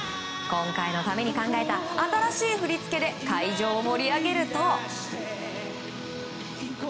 今回のために考えた新しい振り付けで会場を盛り上げると。